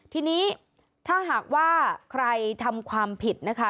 ทีนี้ถ้าหากว่าใครทำความผิดนะคะ